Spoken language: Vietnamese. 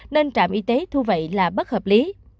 nên trạm y tế thu vậy là bất hợp lý